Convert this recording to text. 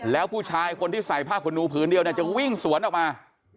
แล้วผู้ชายคนที่ใส่ผ้าขนหนูผืนเดียวเนี่ยจะวิ่งสวนออกมา